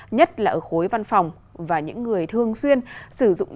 nhất là ở khối văn phòng và những người thường xuyên sử dụng